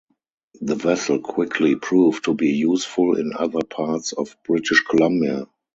The vessel quickly proved to be useful in other parts of British Columbia.